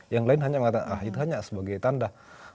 yang lain hanya mengatakan ah itu hanya sebagai tanda